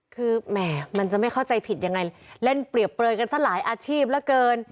คือแหมมันจะไม่เข้าใจผิดยังไงเล่นเปรียบเปลยกันซะหลายอาชีพเหลือเกิน